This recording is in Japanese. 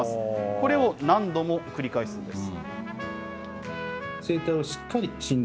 これを何度も繰り返すんです。